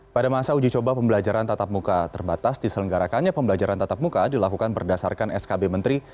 pada masa uji coba pembelajaran tatap muka terbatas diselenggarakannya pembelajaran tatap muka dilakukan berdasarkan skb menteri